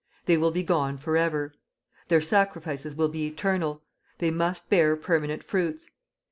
They will be gone for ever. Their sacrifices will be eternal. They must bear permanent fruits.